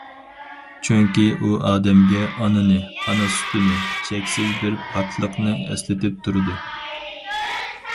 چۈنكى ئۇ ئادەمگە ئانىنى، ئانا سۈتىنى، چەكسىز بىر پاكلىقنى ئەسلىتىپ تۇرىدۇ.